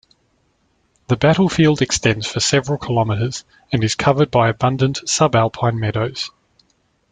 The battlefield extends for several kilometers and is covered by abundant subalipine meadows.